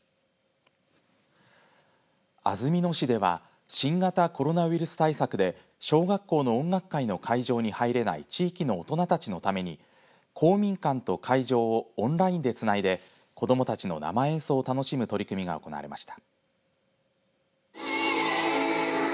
安曇野市では新型コロナウイルス対策で小学校の音楽会の会場に入れない地域のおとなたちのために公民館と会場をオンラインでつないで子どもたちの生演奏を楽しむ取り組みが行われました。